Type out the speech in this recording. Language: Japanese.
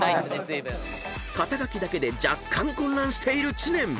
［肩書だけで若干混乱している知念］